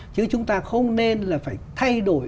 chứ chúng ta không nên là phải thay đổi